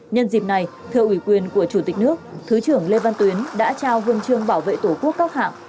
nhân dịp này thưa ủy quyền của chủ tịch nước thứ trưởng lê văn tuyến đã trao huân chương bảo vệ tổ quốc các hạng